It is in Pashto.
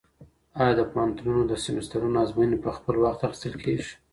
آیا د پوهنتونونو د سمسټرونو ازموینې په خپل وخت اخیستل کیږي؟